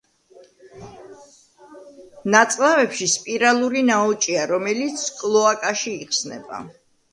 ნაწლავებში სპირალური ნაოჭია, რომელიც კლოაკაში იხსნება.